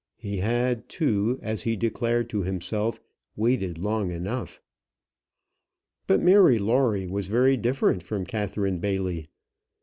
He had, too, as he declared to himself, waited long enough. But Mary Lawrie was very different from Catherine Bailey.